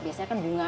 biasanya kan bunga